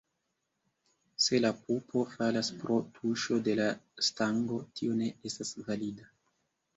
Se la pupo falas pro tuŝo de la stango, tio ne estas valida.